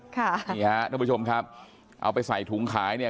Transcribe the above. ค่ะนี่ฮะท่านผู้ชมครับเอาไปใส่ถุงขายเนี่ย